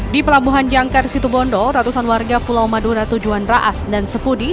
di pelabuhan jangkar situbondo ratusan warga pulau madura tujuan raas dan sepudi